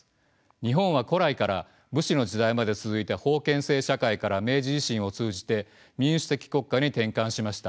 日本は古来から武士の時代まで続いた封建制社会から明治維新を通じて民主的国家に転換しました。